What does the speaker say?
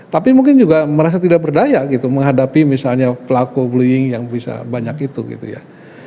tapi mungkin juga merasa tidak berdaya gitu menghadapi misalnya pelaku bullying yang bisa banyak itu gitu ya